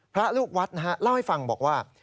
พระลูกวัดนะฮะเล่าให้ฟังบอกว่า